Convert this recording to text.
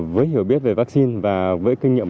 với hiểu biết về vaccine và với kinh nghiệm